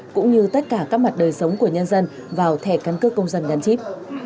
cũng như tất cả các mặt đời sống của nhân dân vào thẻ căn cước công dân gắn chip